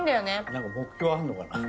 なんか目標あるのかな？